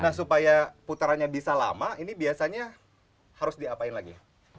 nah supaya putarannya bisa lama ini biasanya harus diapain lagi